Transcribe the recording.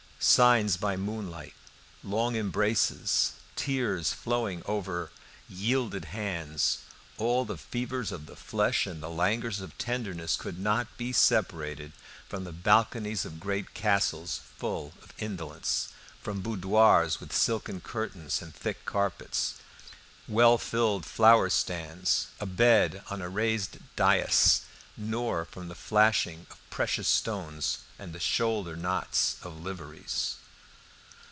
Signs by moonlight, long embraces, tears flowing over yielded hands, all the fevers of the flesh and the languors of tenderness could not be separated from the balconies of great castles full of indolence, from boudoirs with silken curtains and thick carpets, well filled flower stands, a bed on a raised dias, nor from the flashing of precious stones and the shoulder knots of liveries.